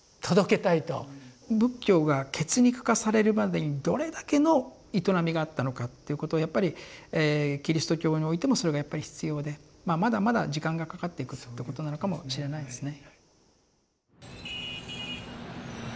仏教が血肉化されるまでにどれだけの営みがあったのかっていうことをやっぱりキリスト教においてもそれがやっぱり必要でまだまだ時間がかかっていくっていうことなのかもしれないですね。